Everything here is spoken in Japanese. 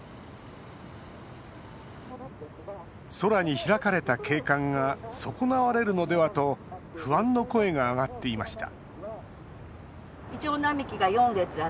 空に開かれた景観が損なわれるのではと不安の声が上がっていました